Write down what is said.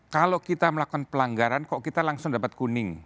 kalau kita melakukan pelanggaran kok kita langsung dapat kuning